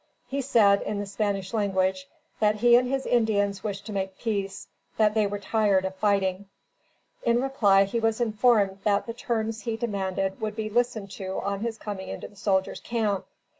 He said, in the Spanish language, that he and his Indians wished to make peace; that they were tired of fighting. In reply, he was informed that the terms he demanded would be listened to on his coming into the soldiers' camp.